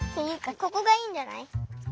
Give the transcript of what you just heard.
ここがいいんじゃない。